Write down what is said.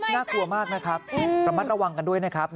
น่ากลัวมากนะครับระมัดระวังกันด้วยนะครับ